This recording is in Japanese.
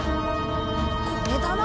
これだな。